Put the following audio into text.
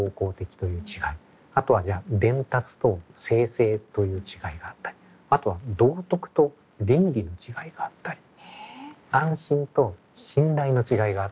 あとは伝達と生成という違いがあったりあとは道徳と倫理の違いがあったり安心と信頼の違いがあったりとか。